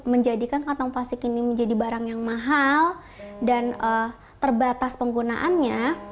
menjadikan kantong plastik ini menjadi barang yang mahal dan terbatas penggunaannya